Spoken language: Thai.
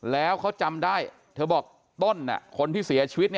แล้วเขาจำได้เธอบอกต้นคนที่เสียชีวิต